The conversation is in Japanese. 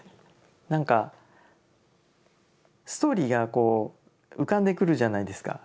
なんかストーリーがこう浮かんでくるじゃないですか。